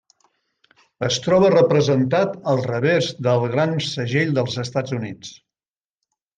Es troba representat al revers del Gran Segell dels Estats Units.